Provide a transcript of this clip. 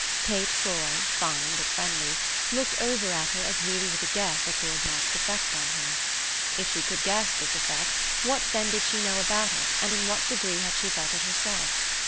Kate Croy, fine but friendly, looked over at her as really with a guess at Lord Mark's effect on her. If she could guess this effect what then did she know about it and in what degree had she felt it herself?